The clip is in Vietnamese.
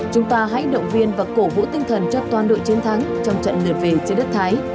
chúng ta hãy động viên và cổ vũ tinh thần cho toàn đội chiến thắng trong trận lượt về trên đất thái